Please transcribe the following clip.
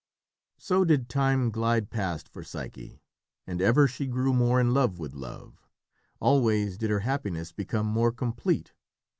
So did time glide past for Psyche, and ever she grew more in love with Love; always did her happiness become more complete.